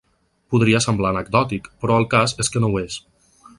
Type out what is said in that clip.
Podria semblar anecdòtic, però el cas és que no ho és.